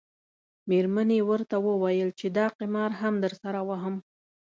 میرمنې یې ورته وویل چې دا قمار هم درسره وهم.